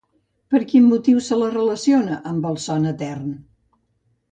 Per quin motiu se la relaciona amb el son etern?